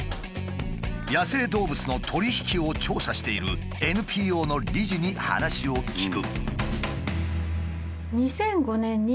野生動物の取り引きを調査しているＮＰＯの理事に話を聞く。